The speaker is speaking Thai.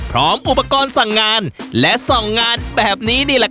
ของใครของน้องพ่อของน้องพ่อร้อนนะ